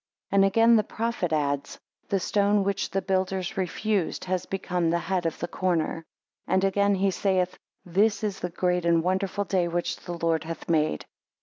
4 And again the prophet adds; The stone which the builders refused has become the head of the corner. And again he saith This is the great and wonderful day which the Lord hath made.